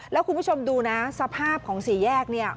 แล้วคุณผู้ชมดูนะสภาพของสี่แยกเนี่ย